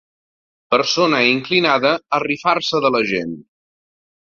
Persona inclinada a rifar-se de la gent.